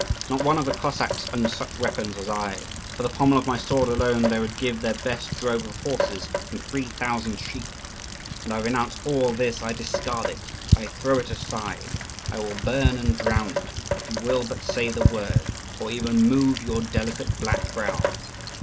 Not one of the Cossacks owns such weapons as I; for the pommel of my sword alone they would give their best drove of horses and three thousand sheep. And I renounce all this, I discard it, I throw it aside, I will burn and drown it, if you will but say the word, or even move your delicate black brows!